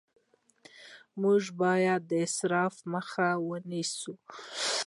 موږ باید د اسراف مخه ونیسو